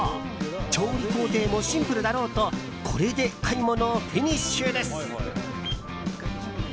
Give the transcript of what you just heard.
調理工程もシンプルだろうとこれで買い物フィニッシュです。